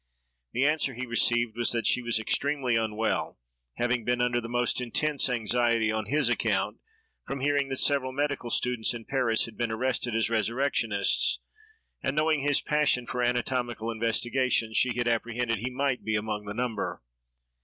The answer he received was that she was extremely unwell, having been under the most intense anxiety on his account, from hearing that several medical students in Paris had been arrested as resurrectionists; and, knowing his passion for anatomical investigations, she had apprehended he might be among the number.